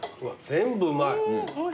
全部うまい。